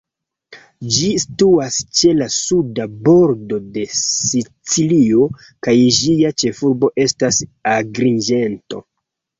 Ĝi situas ĉe la suda bordo de Sicilio, kaj ĝia ĉefurbo estas Agriĝento.